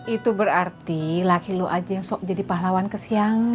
itu berarti laki lu aja yang sok jadi pahlawan ke siang